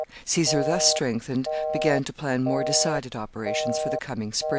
Caesar, thus strengthened, began to plan more decided operations for the coming spring.